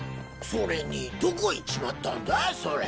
それにどこ行っちまったんだそれ？